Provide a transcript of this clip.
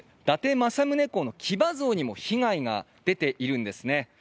伊達政宗公の騎馬像にも被害が出ているんですね。